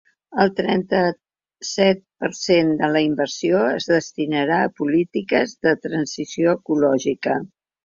El trenta-set per cent de la inversió es destinarà a polítiques de transició ecològica.